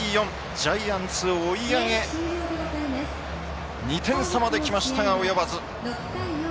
ジャイアンツ追い上げ２点差まできましたが及ばず。